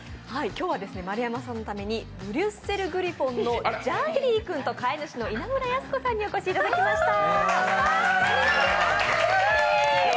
今日は丸山さんのためにブリュッセル・グリフォンのジャンティ君と飼い主の稲村康子さんにお越しいただきました。